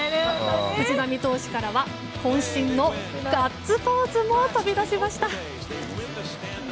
藤浪投手からは渾身のガッツポーズも飛び出しました。